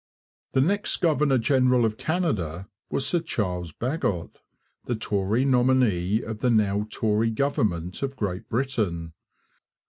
] The next governor general of Canada was Sir Charles Bagot, the Tory nominee of the now Tory government of Great Britain.